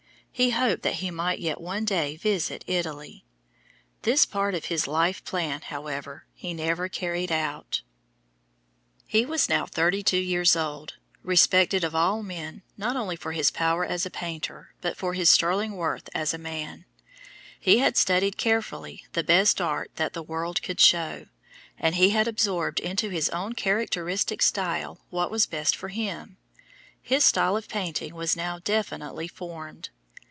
He hoped that he might yet one day visit Italy. This part of his life plan, however, he never carried out. [Illustration: INFANT CHRIST, ST. JOHN AND ANGELS Rubens] He was now thirty two years old, respected of all men not only for his power as a painter, but for his sterling worth as a man. He had studied carefully the best art that the world could show, and he had absorbed into his own characteristic style what was best for him his style of painting was now definitely formed.